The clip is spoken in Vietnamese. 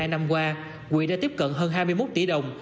một mươi hai năm qua quỹ đã tiếp cận hơn hai mươi một tỷ đồng